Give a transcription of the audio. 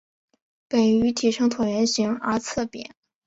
本鱼体呈椭圆形而侧扁。